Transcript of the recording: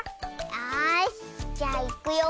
よしじゃあいくよ。